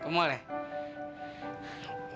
kau mau deh